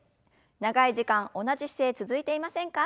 長い時間同じ姿勢続いていませんか？